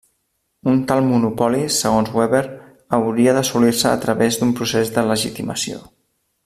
Un tal monopoli, segons Weber, hauria d'assolir-se a través d'un procés de legitimació.